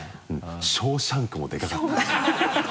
「ショーシャンク」もでかかったねハハハ